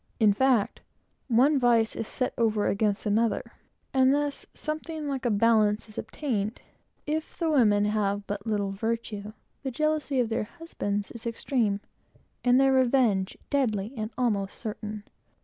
In fact, one vice is set over against another; and thus, something like a balance is obtained. The women have but little virtue, but then the jealousy of their husbands is extreme, and their revenge deadly and almost certain.